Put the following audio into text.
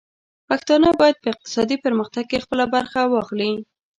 پښتانه بايد په اقتصادي پرمختګ کې خپله برخه واخلي.